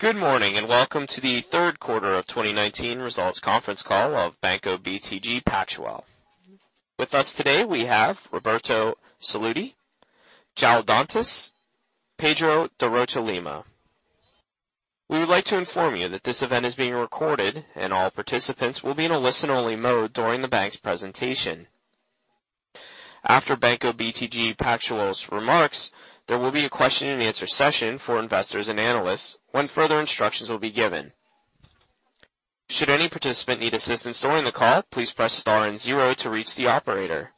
Good morning. Welcome to the third quarter of 2019 results conference call of Banco BTG Pactual. With us today, we have Roberto Sallouti, João Dantas, Pedro de Rotta Lima. We would like to inform you that this event is being recorded. All participants will be in a listen-only mode during the bank's presentation. After Banco BTG Pactual's remarks, there will be a question and answer session for investors and analysts when further instructions will be given. Should any participant need assistance during the call, please press star and zero to reach the operator.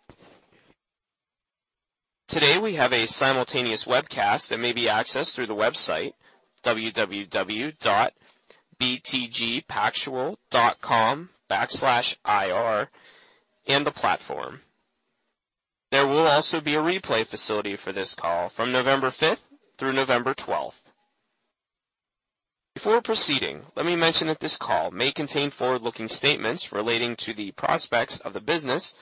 Today, we have a simultaneous webcast that may be accessed through the website www.btgpactual.com/ir in the platform. There will also be a replay facility for this call from November fifth through November 12th. Before proceeding, let me mention that this call may contain forward-looking statements relating to the prospects of the business,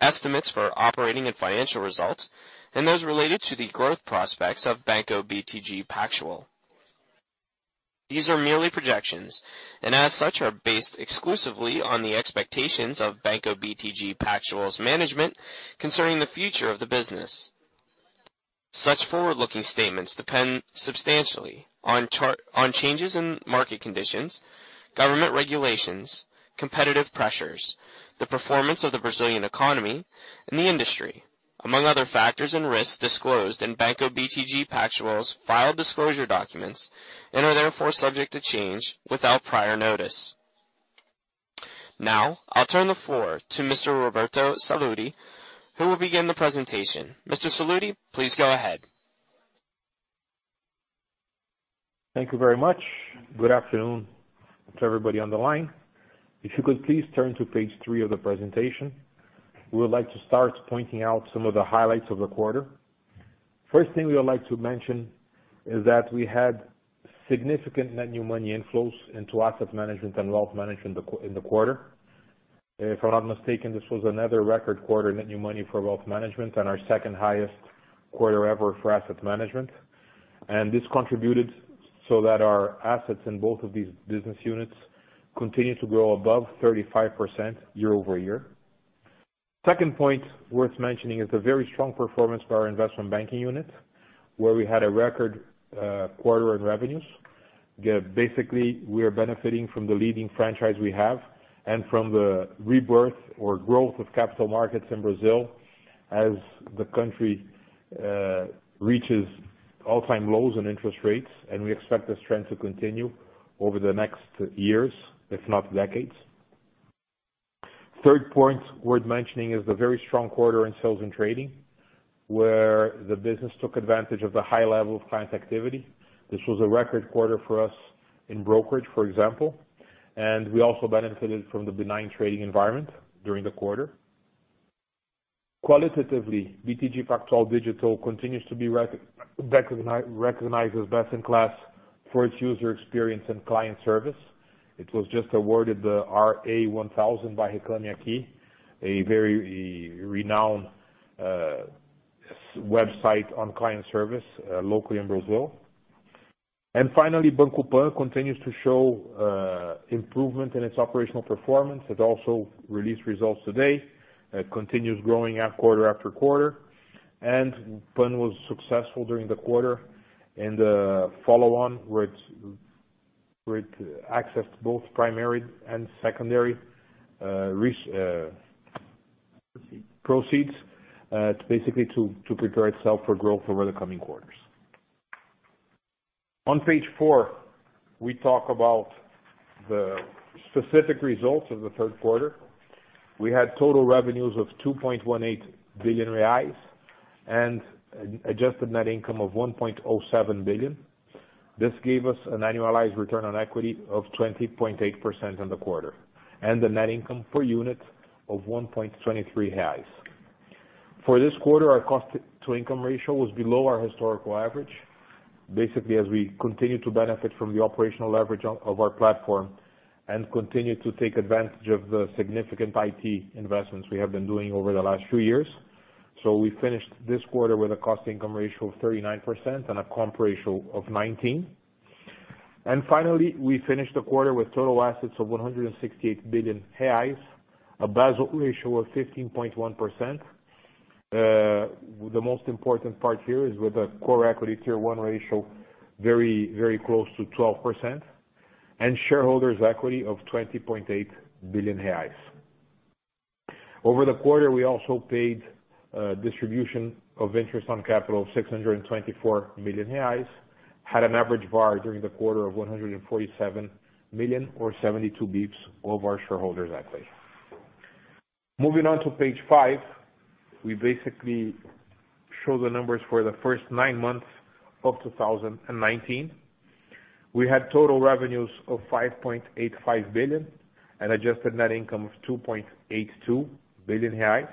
estimates for operating and financial results, and those related to the growth prospects of Banco BTG Pactual. These are merely projections, and as such, are based exclusively on the expectations of Banco BTG Pactual's management concerning the future of the business. Such forward-looking statements depend substantially on changes in market conditions, government regulations, competitive pressures, the performance of the Brazilian economy, and the industry, among other factors and risks disclosed in Banco BTG Pactual's filed disclosure documents and are therefore subject to change without prior notice. Now, I'll turn the floor to Mr. Roberto Sallouti, who will begin the presentation. Mr. Sallouti, please go ahead. Thank you very much. Good afternoon to everybody on the line. If you could please turn to page three of the presentation, we would like to start pointing out some of the highlights of the quarter. First thing we would like to mention is that we had significant net new money inflows into asset management and wealth management in the quarter. If I'm not mistaken, this was another record quarter net new money for wealth management and our second highest quarter ever for asset management. This contributed so that our assets in both of these business units continue to grow above 35% year-over-year. Second point worth mentioning is the very strong performance for our investment banking unit, where we had a record quarter on revenues. Basically, we are benefiting from the leading franchise we have and from the rebirth or growth of capital markets in Brazil as the country reaches all-time lows in interest rates, and we expect this trend to continue over the next years, if not decades. Third point worth mentioning is the very strong quarter in sales and trading, where the business took advantage of the high level of client activity. This was a record quarter for us in brokerage, for example, and we also benefited from the benign trading environment during the quarter. Qualitatively, BTG Pactual Digital continues to be recognized as best in class for its user experience and client service. It was just awarded the RA1000 by Reclame Aqui, a very renowned website on client service locally in Brazil. Finally, Banco PAN continues to show improvement in its operational performance. It also released results today. It continues growing quarter after quarter. PAN was successful during the quarter in the follow-on, where it accessed both primary and secondary proceeds basically to prepare itself for growth over the coming quarters. On page four, we talk about the specific results of the third quarter. We had total revenues of 2.18 billion reais and adjusted net income of 1.07 billion. This gave us an annualized return on equity of 20.8% on the quarter and a net income per unit of 1.23. For this quarter, our cost-to-income ratio was below our historical average, basically as we continue to benefit from the operational leverage of our platform and continue to take advantage of the significant IT investments we have been doing over the last few years. We finished this quarter with a cost-to-income ratio of 39% and a compa-ratio of 19%. Finally, we finished the quarter with total assets of 168 billion reais, a Basel ratio of 15.1%. The most important part here is with a Core Equity Tier 1 ratio very close to 12% and shareholders' equity of 20.8 billion reais. Over the quarter, we also paid distribution of interest on capital of 624 million reais, had an average VaR during the quarter of 147 million BRL or 72 basis points over our shareholders' equity. Moving on to page five, we basically show the numbers for the first nine months of 2019. We had total revenues of 5.85 billion BRL and adjusted net income of 2.82 billion reais.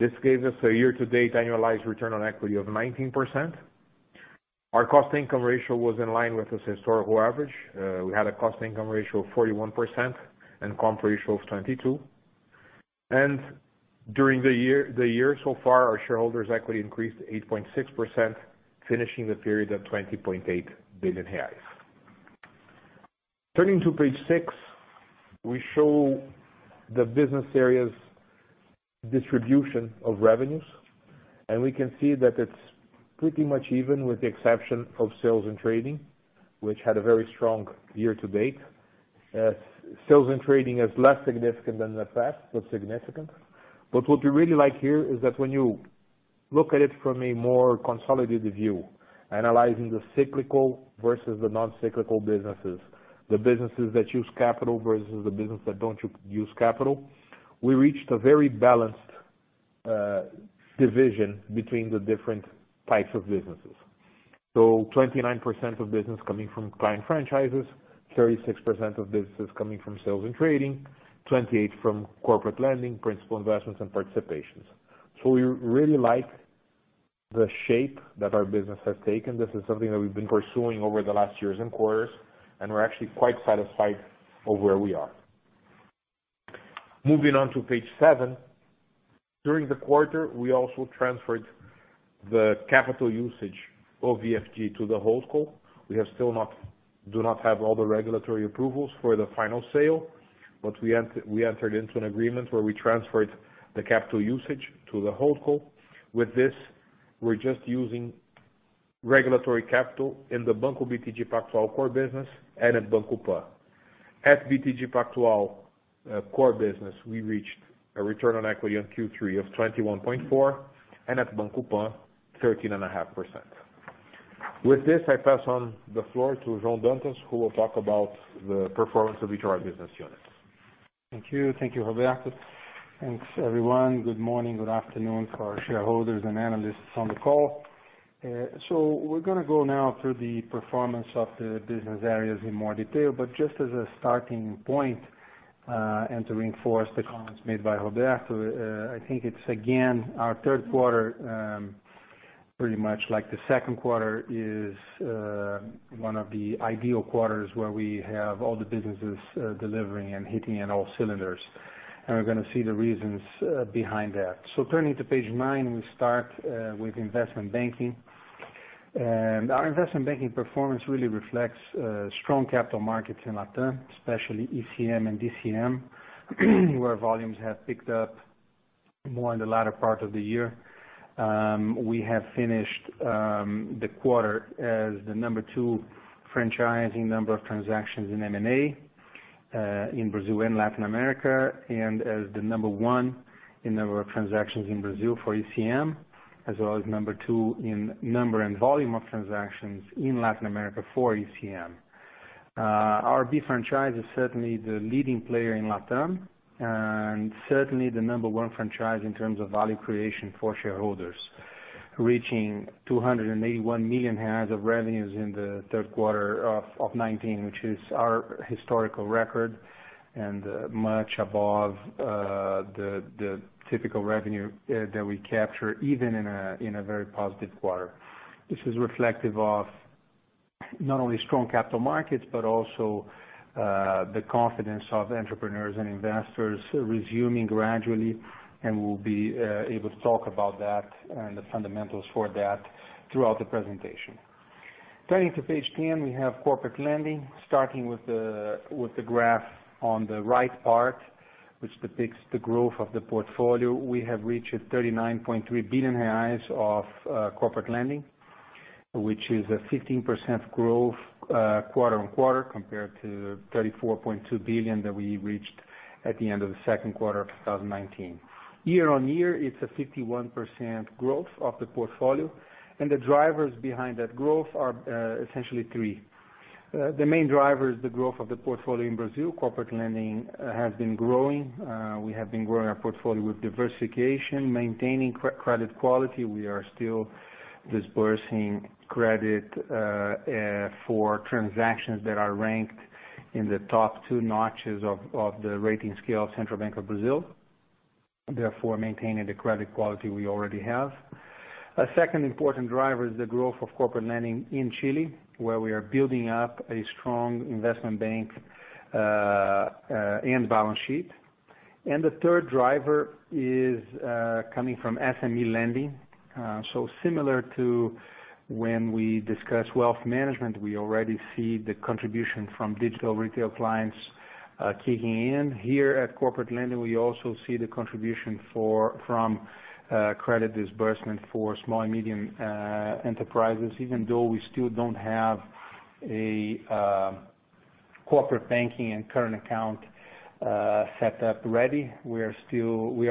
This gave us a year-to-date annualized return on equity of 19%. Our cost-to-income ratio was in line with this historical average. We had a cost-to-income ratio of 41% and compa-ratio of 22%. During the year so far, our shareholders' equity increased 8.6%, finishing the period at 20.8 billion reais. Turning to page six, we show the business areas distribution of revenues, and we can see that it's pretty much even, with the exception of sales and trading, which had a very strong year-to-date. Sales and trading is less significant than the past, but significant. What we really like here is that when you look at it from a more consolidated view, analyzing the cyclical versus the non-cyclical businesses, the businesses that use capital versus the business that don't use capital, we reached a very balanced division between the different types of businesses. 29% of business coming from client franchises, 36% of business coming from sales and trading, 28% from corporate lending, principal investments, and participations. We really like the shape that our business has taken. This is something that we've been pursuing over the last years and quarters, and we're actually quite satisfied of where we are. Moving on to page seven. During the quarter, we also transferred the capital usage of EFG to the holdco. We still do not have all the regulatory approvals for the final sale, but we entered into an agreement where we transferred the capital usage to the holdco. With this, we're just using regulatory capital in the Banco BTG Pactual core business and at Banco Pan. At BTG Pactual core business, we reached a return on equity on Q3 of 21.4%, and at Banco Pan, 13.5%. With this, I pass on the floor to João Dantas, who will talk about the performance of each of our business units. Thank you. Thank you, Roberto. Thanks, everyone. Good morning, good afternoon for our shareholders and analysts on the call. We're going to go now through the performance of the business areas in more detail, but just as a starting point, and to reinforce the comments made by Roberto, I think it's, again, our third quarter, pretty much like the second quarter, is one of the ideal quarters where we have all the businesses delivering and hitting on all cylinders. We're going to see the reasons behind that. Turning to page nine, we start with Investment Banking. Our Investment Banking performance really reflects strong capital markets in LatAm, especially ECM and DCM, where volumes have picked up more in the latter part of the year. We have finished the quarter as the number two franchise in number of transactions in M&A in Brazil and Latin America, and as the number one in number of transactions in Brazil for ECM, as well as number two in number and volume of transactions in Latin America for ECM. Our IB franchise is certainly the leading player in LatAm and certainly the number one franchise in terms of value creation for shareholders, reaching 281 million of revenues in the third quarter of 2019, which is our historical record and much above the typical revenue that we capture, even in a very positive quarter. This is reflective of not only strong capital markets, but also the confidence of entrepreneurs and investors resuming gradually. We'll be able to talk about that and the fundamentals for that throughout the presentation. Turning to page 10, we have corporate lending. Starting with the graph on the right part, which depicts the growth of the portfolio. We have reached 39.3 billion reais of corporate lending, which is a 15% growth quarter-on-quarter, compared to 34.2 billion that we reached at the end of the second quarter of 2019. Year-on-year, it's a 51% growth of the portfolio, and the drivers behind that growth are essentially three. The main driver is the growth of the portfolio in Brazil. Corporate lending has been growing. We have been growing our portfolio with diversification, maintaining credit quality. We are still disbursing credit for transactions that are ranked in the top 2 notches of the rating scale of Central Bank of Brazil, therefore maintaining the credit quality we already have. A second important driver is the growth of corporate lending in Chile, where we are building up a strong investment bank and balance sheet. The third driver is coming from SME lending. Similar to when we discuss wealth management, we already see the contribution from digital retail clients kicking in. Here at corporate lending, we also see the contribution from credit disbursement for small and medium enterprises. Even though we still don't have a corporate banking and current account set up ready, we are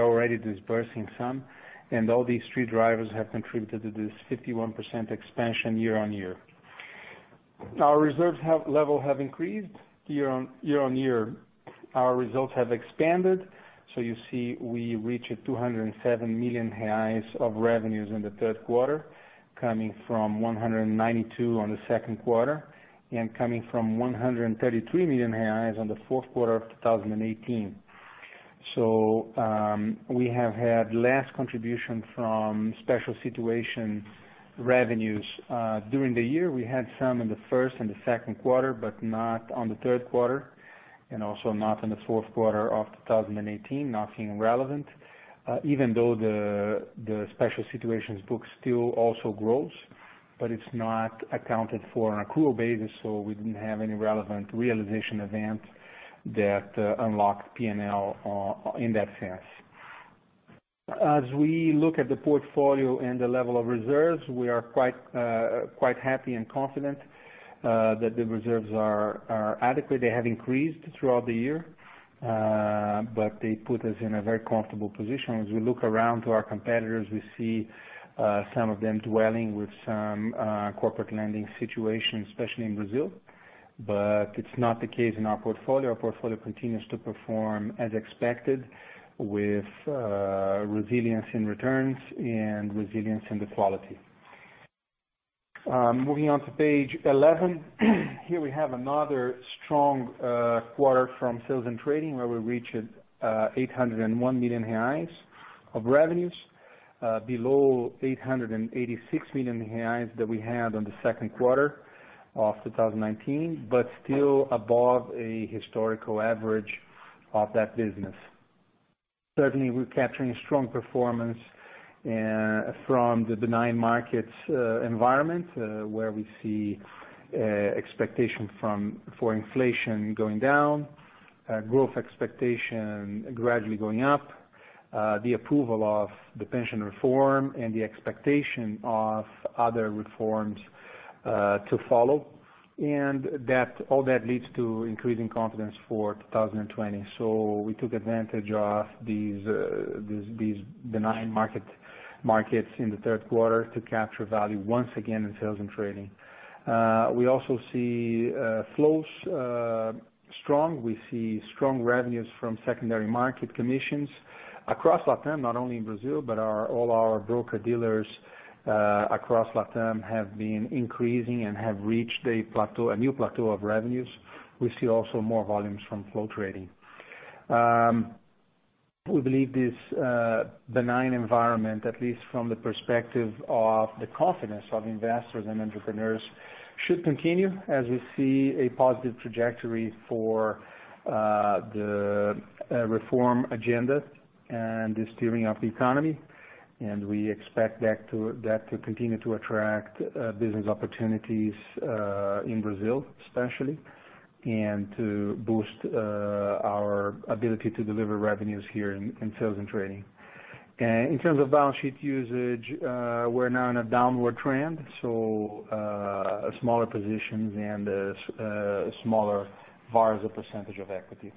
already disbursing some. All these three drivers have contributed to this 51% expansion year-on-year. Our reserves level have increased year-on-year. Our results have expanded. You see we reached 207 million of revenues in the third quarter, coming from 192 million on the second quarter, coming from 133 million on the fourth quarter of 2018. We have had less contribution from special situation revenues. During the year, we had some in the first and the second quarter, but not on the third quarter. Also not in the fourth quarter of 2018, nothing relevant. Even though the special situations book still also grows, but it's not accounted for on accrual basis, so we didn't have any relevant realization event that unlocked P&L in that sense. As we look at the portfolio and the level of reserves, we are quite happy and confident that the reserves are adequate. They have increased throughout the year, but they put us in a very comfortable position. As we look around to our competitors, we see some of them dwelling with some corporate lending situations, especially in Brazil. It's not the case in our portfolio. Our portfolio continues to perform as expected with resilience in returns and resilience in the quality. Moving on to page 11. Here we have another strong quarter from sales and trading where we reached 801 million reais of revenues, below 886 million reais that we had on the second quarter of 2019. Still above a historical average of that business, we're capturing a strong performance from the benign markets environment, where we see expectation for inflation going down, growth expectation gradually going up, the approval of the pension reform, and the expectation of other reforms to follow. All that leads to increasing confidence for 2020. We took advantage of these benign markets in the third quarter to capture value once again in sales and trading. We also see flows strong. We see strong revenues from secondary market commissions across LatAm, not only in Brazil, but all our broker-dealers across LatAm have been increasing and have reached a new plateau of revenues. We see also more volumes from flow trading. We believe this benign environment, at least from the perspective of the confidence of investors and entrepreneurs, should continue as we see a positive trajectory for the reform agenda and the steering of the economy. We expect that to continue to attract business opportunities in Brazil, especially, and to boost our ability to deliver revenues here in sales and trading. In terms of balance sheet usage, we are now in a downward trend, so smaller positions and smaller VaRs as a % of equity.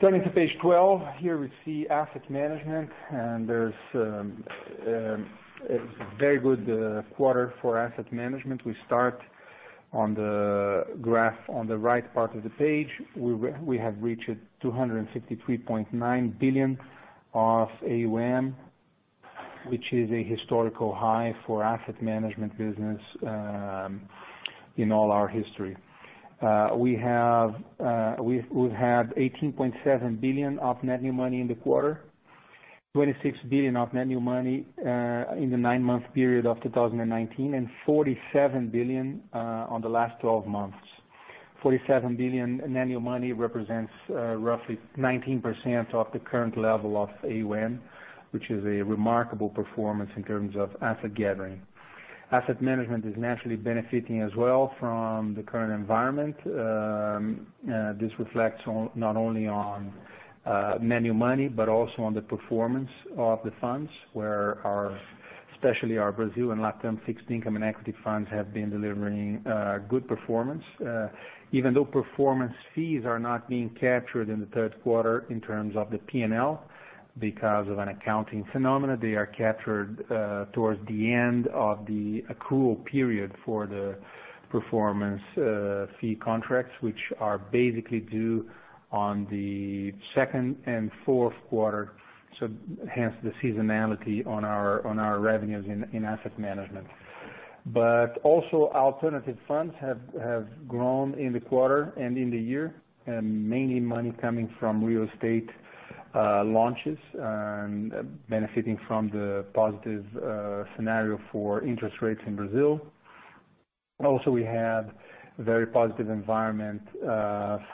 Turning to page 12. Here we see asset management, and there's a very good quarter for asset management. We start on the graph on the right part of the page. We have reached 253.9 billion of AUM, which is a historical high for asset management business in all our history. We have had 18.7 billion of net new money in the quarter, 26 billion of net new money in the nine-month period of 2019, and 47 billion on the last 12 months. 47 billion in annual money represents roughly 19% of the current level of AUM, which is a remarkable performance in terms of asset gathering. Asset management is naturally benefiting as well from the current environment. This reflects not only on net new money, but also on the performance of the funds, where especially our Brazil and LatAm fixed income and equity funds have been delivering good performance. Even though performance fees are not being captured in the third quarter in terms of the P&L because of an accounting phenomenon, they are captured towards the end of the accrual period for the performance fee contracts, which are basically due on the second and fourth quarter, hence the seasonality on our revenues in asset management. Also alternative funds have grown in the quarter and in the year, mainly money coming from real estate launches and benefiting from the positive scenario for interest rates in Brazil. Also, we have very positive environment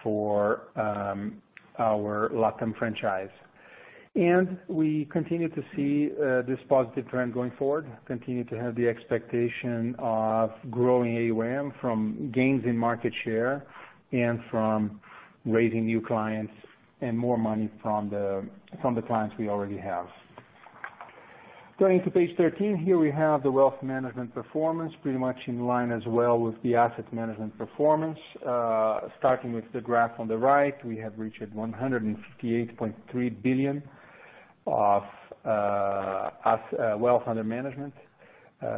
for our LatAm franchise. We continue to see this positive trend going forward, continue to have the expectation of growing AUM from gains in market share and from raising new clients and more money from the clients we already have. Turning to page 13. Here we have the wealth management performance, pretty much in line as well with the asset management performance. Starting with the graph on the right, we have reached 158.3 billion of wealth under management.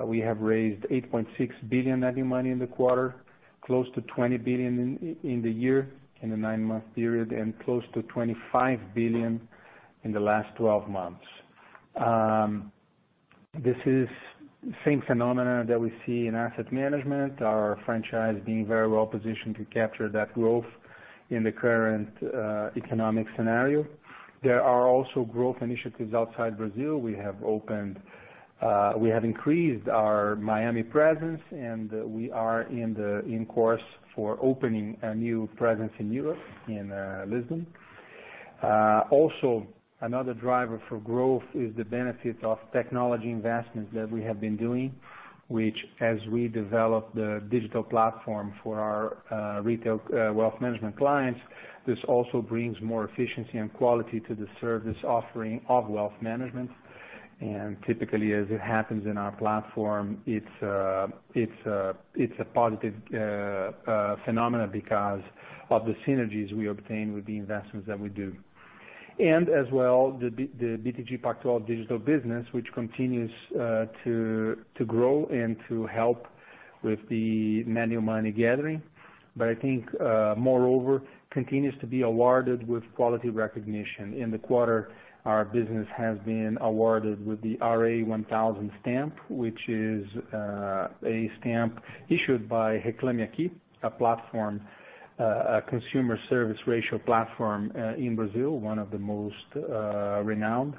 We have raised 8.6 billion net new money in the quarter, close to 20 billion in the year, in the nine-month period, and close to 25 billion in the last 12 months. This is same phenomenon that we see in asset management, our franchise being very well positioned to capture that growth in the current economic scenario. There are also growth initiatives outside Brazil. We have increased our Miami presence and we are in course for opening a new presence in Europe, in Lisbon. Also, another driver for growth is the benefit of technology investments that we have been doing, which as we develop the digital platform for our retail wealth management clients, this also brings more efficiency and quality to the service offering of wealth management. Typically, as it happens in our platform, it's a positive phenomenon because of the synergies we obtain with the investments that we do. As well, the BTG Pactual Digital business, which continues to grow and to help with the manual money gathering, I think, moreover, continues to be awarded with quality recognition. In the quarter, our business has been awarded with the RA1000 stamp, which is a stamp issued by Reclame Aqui, a consumer service ratio platform in Brazil, one of the most renowned.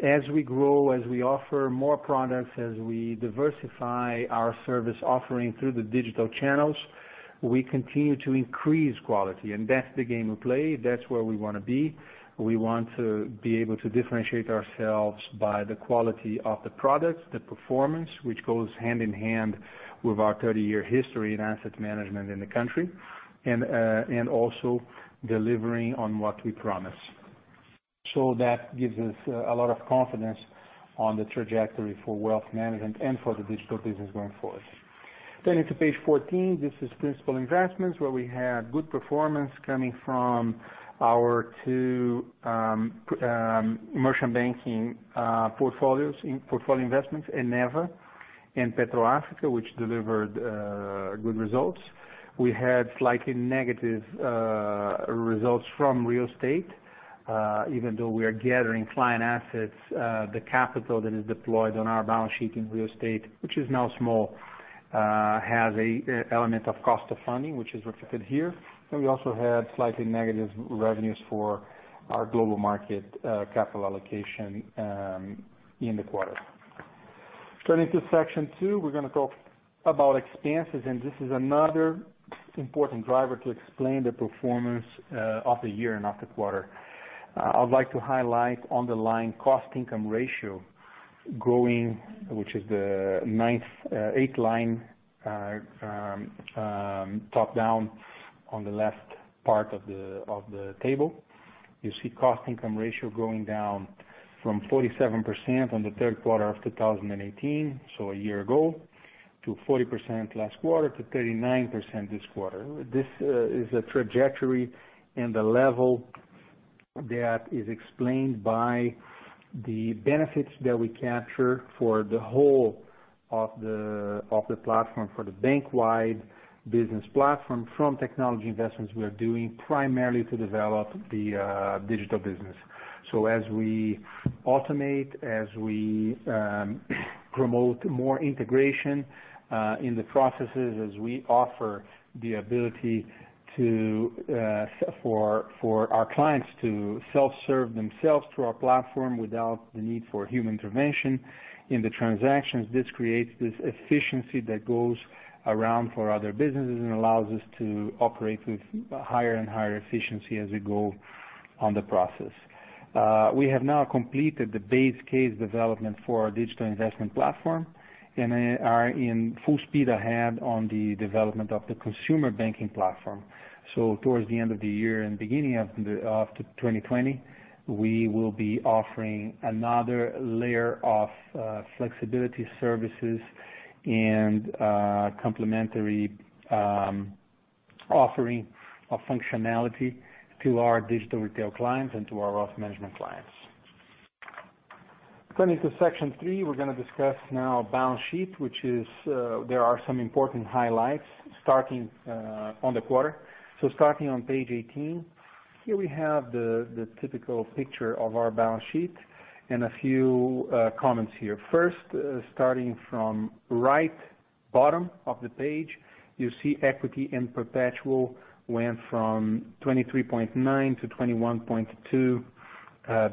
As we grow, as we offer more products, as we diversify our service offering through the digital channels, we continue to increase quality. That's the game we play. That's where we want to be. We want to be able to differentiate ourselves by the quality of the product, the performance, which goes hand in hand with our 30-year history in asset management in the country, and also delivering on what we promise. That gives us a lot of confidence on the trajectory for wealth management and for the digital business going forward. Turning to page 14, this is principal investments where we had good performance coming from our two merchant banking portfolio investments in Eneva and PetroAfrica, which delivered good results. We had slightly negative results from real estate. Even though we are gathering client assets, the capital that is deployed on our balance sheet in real estate, which is now small, has a element of cost of funding, which is reflected here. We also had slightly negative revenues for our global market capital allocation in the quarter. Turning to section two, we're going to talk about expenses, and this is another important driver to explain the performance of the year and of the quarter. I would like to highlight on the line, cost-to-income ratio growing, which is the eighth line, top down on the left part of the table. You see cost-to-income ratio going down from 47% on the third quarter of 2018, so a year ago, to 40% last quarter, to 39% this quarter. This is a trajectory and a level that is explained by the benefits that we capture for the whole of the platform, for the bank-wide business platform from technology investments we are doing primarily to develop the digital business. As we automate, as we promote more integration in the processes, as we offer the ability for our clients to self-serve themselves through our platform without the need for human intervention in the transactions, this creates this efficiency that goes around for other businesses and allows us to operate with higher and higher efficiency as we go on the process. We have now completed the base case development for our digital investment platform and are in full speed ahead on the development of the consumer banking platform. Towards the end of the year and beginning of 2020, we will be offering another layer of flexibility services and complementary offering of functionality to our digital retail clients and to our wealth management clients. Turning to section three, we are going to discuss now balance sheet, which there are some important highlights on the quarter. Starting on page 18, here we have the typical picture of our balance sheet and a few comments here. First, starting from right bottom of the page, you see equity and perpetual went from 23.9 billion-21.2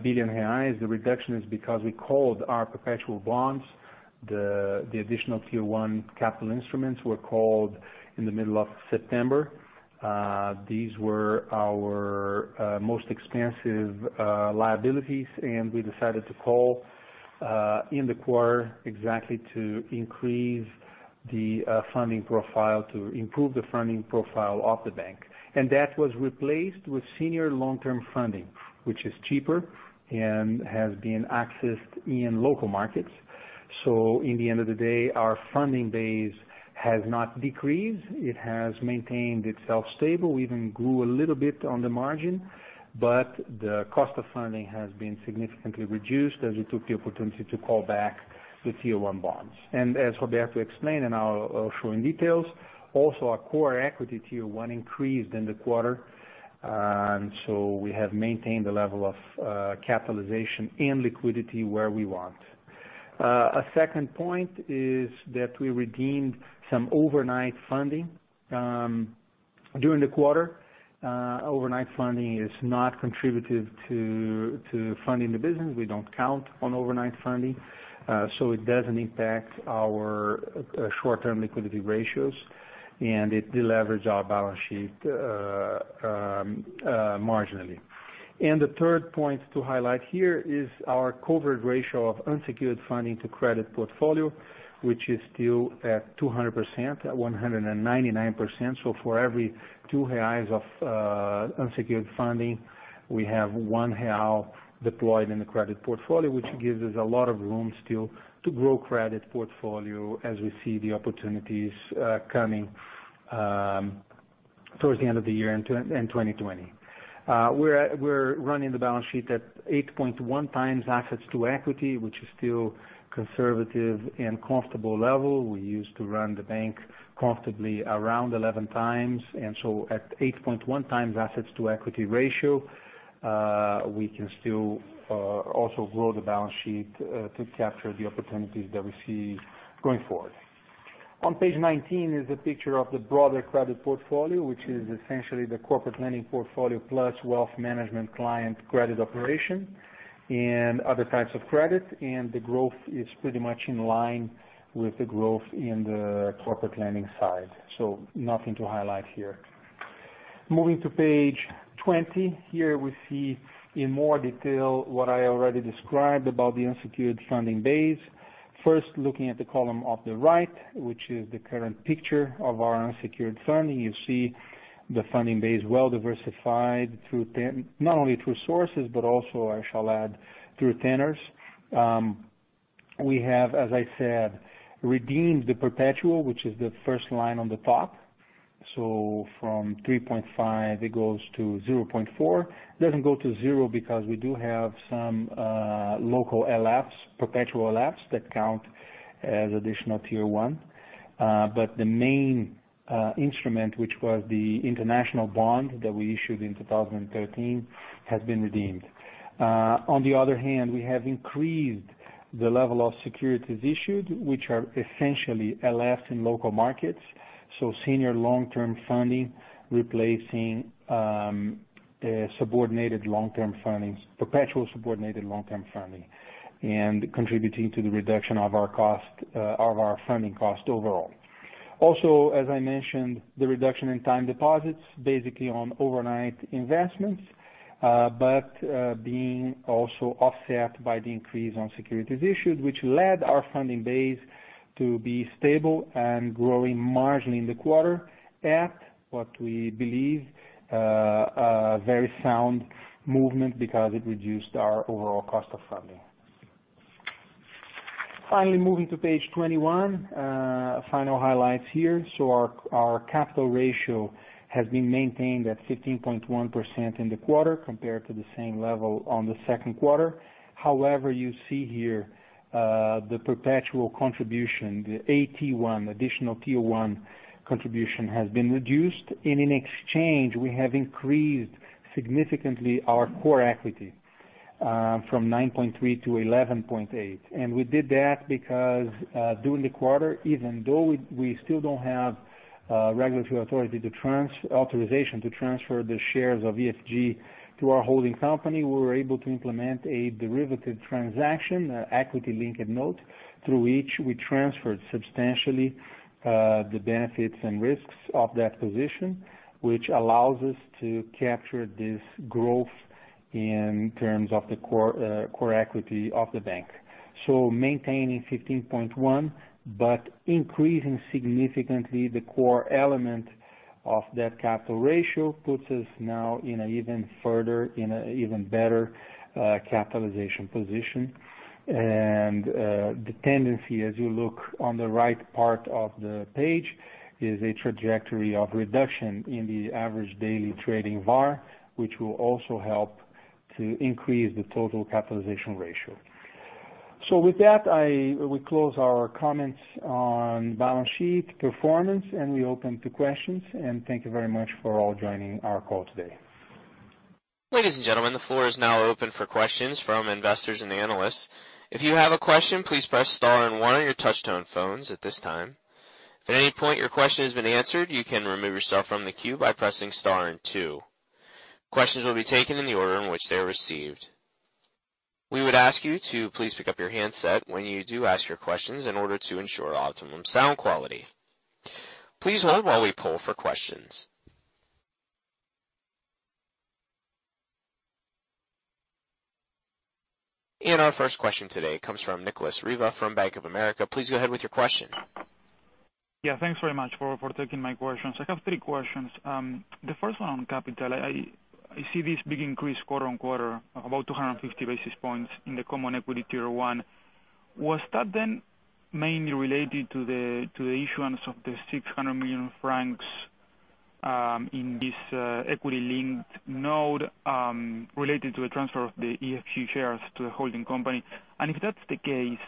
billion reais. The reduction is because we called our perpetual bonds. The Additional Tier 1 capital instruments were called in the middle of September. These were our most expensive liabilities, and we decided to call in the quarter exactly to improve the funding profile of the bank. That was replaced with senior long-term funding, which is cheaper and has been accessed in local markets. In the end of the day, our funding base has not decreased. It has maintained itself stable, even grew a little bit on the margin, but the cost of funding has been significantly reduced as we took the opportunity to call back the tier one bonds. As Roberto explained, and I'll show in details, also our Core Equity Tier 1 increased in the quarter. We have maintained the level of capitalization and liquidity where we want. A second point is that we redeemed some overnight funding. During the quarter, overnight funding is not contributive to funding the business. We don't count on overnight funding, so it doesn't impact our short-term liquidity ratios, and it de-leverages our balance sheet marginally. The third point to highlight here is our covered ratio of unsecured funding to credit portfolio, which is still at 200%, at 199%. For every 2 reais of unsecured funding, we have 1 real deployed in the credit portfolio, which gives us a lot of room still to grow credit portfolio as we see the opportunities coming towards the end of the year and in 2020. We're running the balance sheet at 8.1 times assets to equity, which is still conservative and comfortable level. We used to run the bank comfortably around 11 times. At 8.1 times assets to equity ratio, we can still also grow the balance sheet to capture the opportunities that we see going forward. On page 19 is a picture of the broader credit portfolio, which is essentially the corporate lending portfolio plus wealth management client credit operation and other types of credit. The growth is pretty much in line with the growth in the corporate lending side. Nothing to highlight here. Moving to page 20. Here we see in more detail what I already described about the unsecured funding base. First, looking at the column of the right, which is the current picture of our unsecured funding. You see the funding base well-diversified, not only through sources but also I shall add through tenors. We have, as I said, redeemed the perpetual, which is the first line on the top. From 3.5, it goes to 0.4. It doesn't go to zero because we do have some local LFs, perpetual LFs that count as additional Tier 1. The main instrument, which was the international bond that we issued in 2013, has been redeemed. We have increased the level of securities issued, which are essentially LFIs in local markets. Senior long-term funding replacing the perpetual subordinated long-term funding and contributing to the reduction of our funding cost overall. As I mentioned, the reduction in time deposits, basically on overnight investments. Being also offset by the increase on securities issued, which led our funding base to be stable and growing margin in the quarter at what we believe a very sound movement because it reduced our overall cost of funding. Moving to page 21. Final highlights here. Our capital ratio has been maintained at 15.1% in the quarter compared to the same level on the second quarter. However, you see here the perpetual contribution, the AT1, additional Tier 1 contribution has been reduced. In exchange, we have increased significantly our Core Equity from 9.3% to 11.8%. We did that because during the quarter, even though we still don't have regulatory authorization to transfer the shares of EFG to our holding company, we were able to implement a derivative transaction, an Equity-Linked Note, through which we transferred substantially the benefits and risks of that position, which allows us to capture this growth in terms of the Core Equity of the bank. Maintaining 15.1%, but increasing significantly the core element of that capital ratio puts us now in an even better capitalization position. The tendency, as you look on the right part of the page, is a trajectory of reduction in the average daily trading VaR, which will also help to increase the total capitalization ratio. With that, we close our comments on balance sheet performance, and we open to questions. Thank you very much for all joining our call today. Ladies and gentlemen, the floor is now open for questions from investors and analysts. If you have a question, please press star and one on your touch-tone phones at this time. If at any point your question has been answered, you can remove yourself from the queue by pressing star and two. Questions will be taken in the order in which they are received. We would ask you to please pick up your handset when you do ask your questions in order to ensure optimum sound quality. Please hold while we poll for questions. Our first question today comes from Nicolas Riva from Bank of America. Please go ahead with your question. Yeah, thanks very much for taking my questions. I have three questions. The first one on capital. I see this big increase quarter-on-quarter, about 250 basis points in the Core Equity Tier 1. Was that then mainly related to the issuance of the 600 million francs in this Equity-Linked Note, related to the transfer of the EFG shares to the holding company? If that's the case,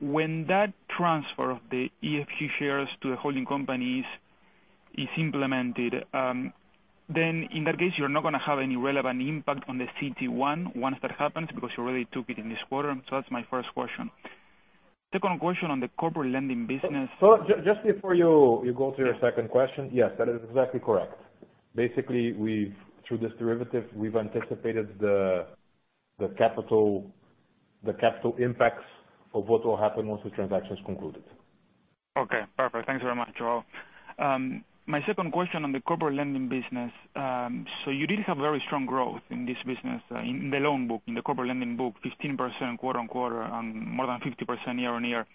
when that transfer of the EFG shares to the holding companies is implemented, then in that case, you're not going to have any relevant impact on the CET1 once that happens, because you already took it in this quarter. That's my first question. Second question on the corporate lending business. Just before you go to your second question. Yes, that is exactly correct. Basically, through this derivative, we've anticipated the capital impacts of what will happen once the transaction's concluded. Okay, perfect. Thanks very much, João. You did have very strong growth in this business, in the loan book, in the corporate lending book, 15% quarter-on-quarter, and more than 50% year-on-year.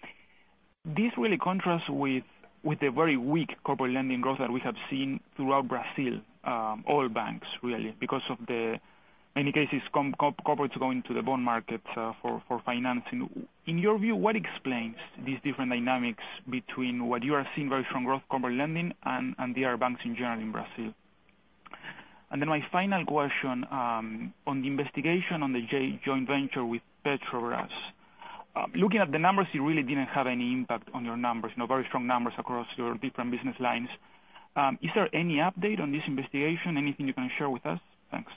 This really contrasts with the very weak corporate lending growth that we have seen throughout Brazil, all banks really, because of the many cases, corporates going to the bond market for financing. In your view, what explains these different dynamics between what you are seeing very strong growth corporate lending and the other banks in general in Brazil? My final question, on the investigation on the joint venture with Petrobras. Looking at the numbers, you really didn't have any impact on your numbers. No very strong numbers across your different business lines. Is there any update on this investigation? Anything you can share with us? Thanks.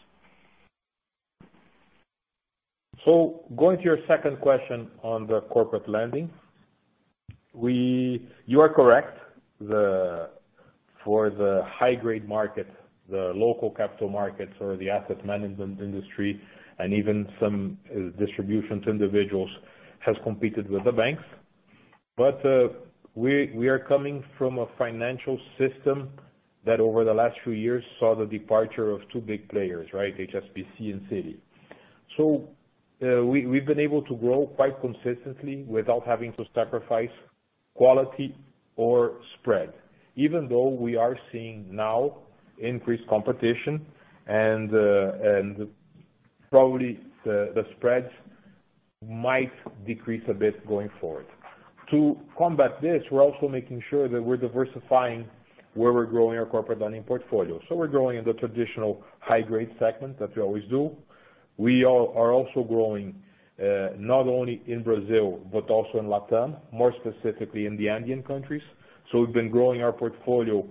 Going to your second question on the corporate lending. You are correct, for the high grade market, the local capital markets or the asset management industry, and even some distributions individuals, has competed with the banks. We are coming from a financial system that over the last few years saw the departure of two big players, right? HSBC and Citi. We've been able to grow quite consistently without having to sacrifice quality or spread, even though we are seeing now increased competition and probably the spreads might decrease a bit going forward. To combat this, we're also making sure that we're diversifying where we're growing our corporate lending portfolio. We're growing in the traditional high grade segment that we always do. We are also growing, not only in Brazil, but also in Latin, more specifically in the Andean countries. We've been growing our portfolio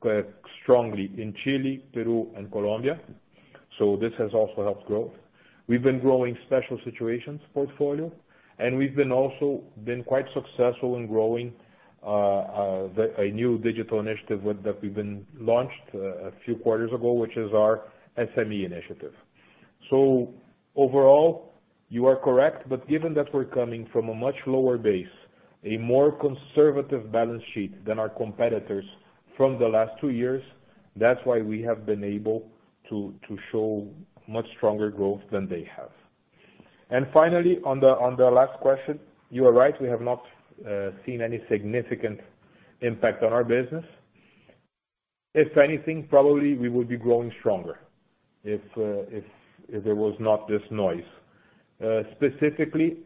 quite strongly in Chile, Peru, and Colombia. This has also helped growth. We've been growing special situations portfolio, and we've also been quite successful in growing a new digital initiative that we've been launched a few quarters ago, which is our SME initiative. Overall, you are correct, but given that we're coming from a much lower base, a more conservative balance sheet than our competitors from the last two years, that's why we have been able to show much stronger growth than they have. Finally, on the last question, you are right, we have not seen any significant impact on our business. If anything, probably we would be growing stronger if there was not this noise. Specifically,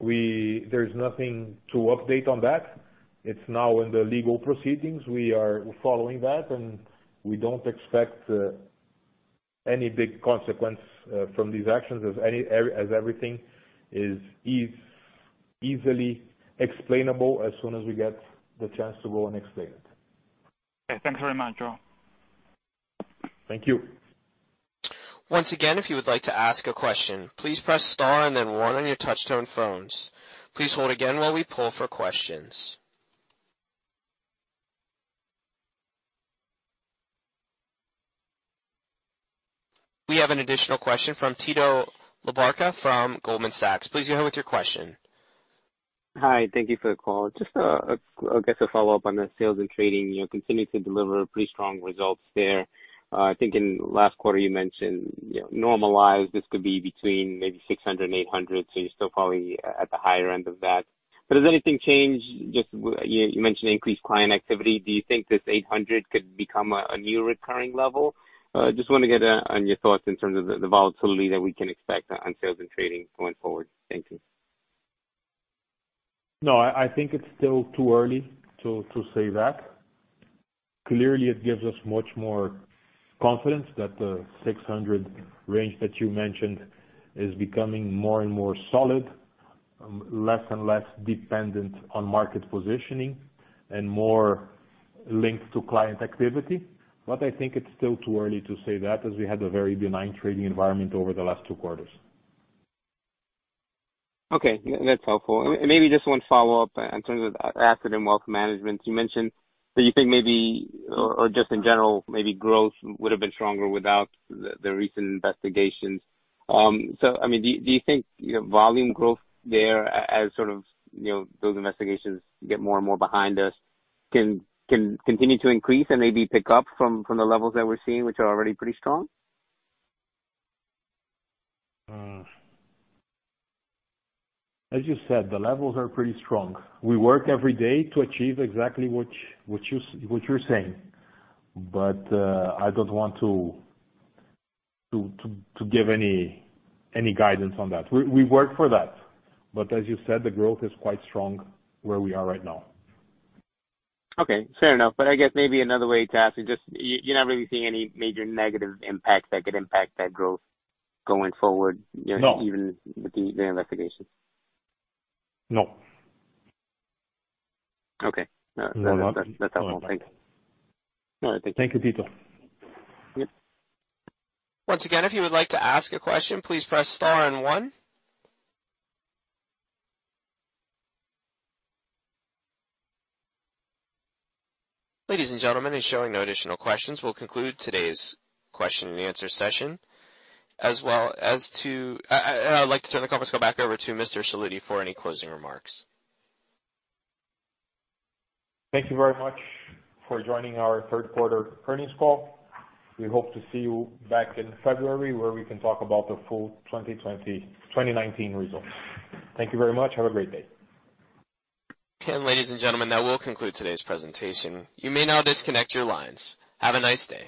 there's nothing to update on that. It's now in the legal proceedings. We are following that, and we don't expect any big consequence from these actions as everything is easily explainable as soon as we get the chance to go and explain it. Okay. Thanks very much, João. Thank you. Once again, if you would like to ask a question, please press star and then one on your touch-tone phones. Please hold again while we pull for questions. We have an additional question from Tito Labarta from Goldman Sachs. Please go ahead with your question. Hi. Thank you for the call. I guess a follow-up on the sales and trading. You continue to deliver pretty strong results there. I think in last quarter you mentioned normalized, this could be between maybe 600 and 800, you're still probably at the higher end of that. Has anything changed? You mentioned increased client activity. Do you think this 800 could become a new recurring level? Want to get on your thoughts in terms of the volatility that we can expect on sales and trading going forward. Thank you. I think it's still too early to say that. Clearly, it gives us much more confidence that the 600 range that you mentioned is becoming more and more solid, less and less dependent on market positioning, and more linked to client activity. I think it's still too early to say that, as we had a very benign trading environment over the last two quarters. Okay, that's helpful. Maybe just one follow-up in terms of asset and wealth management. You mentioned that you think maybe, or just in general, maybe growth would have been stronger without the recent investigations. Do you think volume growth there as sort of those investigations get more and more behind us can continue to increase and maybe pick up from the levels that we're seeing, which are already pretty strong? As you said, the levels are pretty strong. We work every day to achieve exactly what you're saying. I don't want to give any guidance on that. We work for that. As you said, the growth is quite strong where we are right now. Okay, fair enough. I guess maybe another way to ask is just, you're not really seeing any major negative impacts that could impact that growth going forward. No. Even with the investigation? No. Okay. No. That's helpful. Thank you. All right. Thank you. Thank you, Tito. Yep. Once again, if you would like to ask a question, please press star and one. Ladies and gentlemen, in showing no additional questions, we will conclude today's question and answer session. I would like to turn the conference call back over to Mr. Sallouti for any closing remarks. Thank you very much for joining our third quarter earnings call. We hope to see you back in February where we can talk about the full 2019 results. Thank you very much. Have a great day. Ladies and gentlemen, that will conclude today's presentation. You may now disconnect your lines. Have a nice day.